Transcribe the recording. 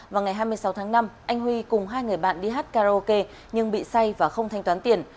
vào ngày hai mươi sáu tháng năm anh huy cùng hai người bạn đi hát karaoke nhưng bị say và không thanh toán tiền